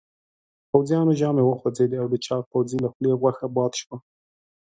پوځيانو ژامې وخوځېدې او د چاغ پوځي له خولې غوښه باد شوه.